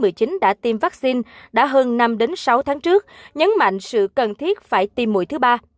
covid một mươi chín đã tiêm vaccine đã hơn năm sáu tháng trước nhấn mạnh sự cần thiết phải tiêm mũi thứ ba